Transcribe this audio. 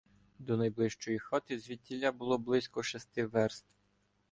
До найближчої хати звідтіля було близько шести верст.